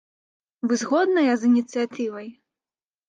Вы згодныя з ініцыятывай?